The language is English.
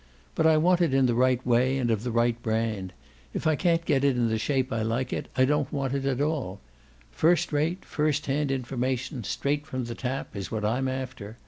But I want it in the right way and of the right brand. If I can't get it in the shape I like it I don't want it at all; first rate first hand information, straight from the tap, is what I'm after.